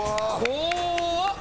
怖っ！